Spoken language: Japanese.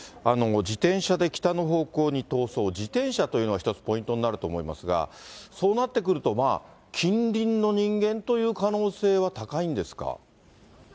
自転車で北の方向に逃走、自転車というのは一つポイントになると思いますが、そうなってくると、近隣の人間という可能性は高いんですか？